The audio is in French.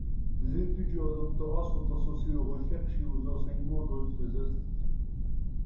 Les étudiants en doctorat sont associés aux recherches et aux enseignements de ces instituts.